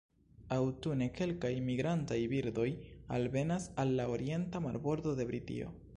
Aŭtune kelkaj migrantaj birdoj alvenas al la orienta marbordo de Britio.